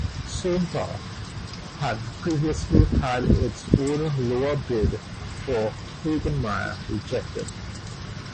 Sonepar had previously had its own lower bid for Hagemeyer rejected.